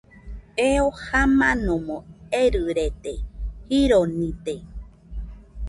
Eo jamanomo erɨrede, jironide